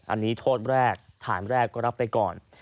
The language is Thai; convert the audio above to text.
อันนี้โทษแรกฐานแรกก็รับไปก่อน